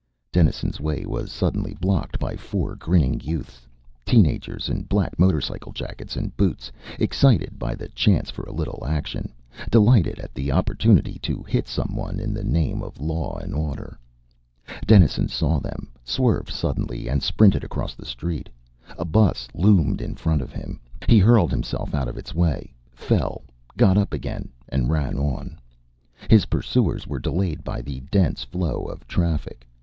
Dennison's way was suddenly blocked by four grinning youths, teen agers in black motorcycle jackets and boots, excited by the chance for a little action, delighted at the opportunity to hit someone in the name of law and order. Dennison saw them, swerved suddenly and sprinted across the street. A bus loomed in front of him. He hurled himself out of its way, fell, got up again and ran on. His pursuers were delayed by the dense flow of traffic.